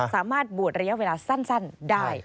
สามารถบวชระยะเวลาสั้นได้